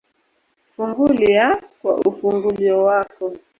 Fungulya kwa ufungulyo wako